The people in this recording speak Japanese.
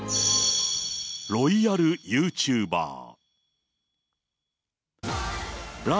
ロイヤルユーチューバー。